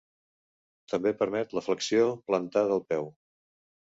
També permet la flexió plantar del peu.